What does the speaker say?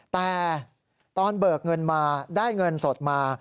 แต่ตอนเบิกเงินมาได้เงินสดมา